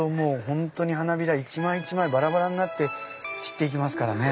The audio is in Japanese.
本当に花びら一枚一枚ばらばらになって散って行きますからね。